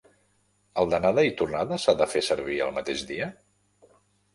El d'anada i tornada s'ha de fer servir el mateix dia?